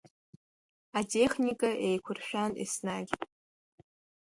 Атехника еиқәыршәан еснагь.